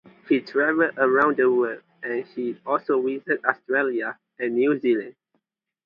He travelled around the world and he also visited Australia and New Zealand.